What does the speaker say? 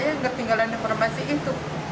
yang ketinggalan informasi itu